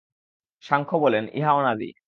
সাংখ্য বলেন, ইহা অনাদি।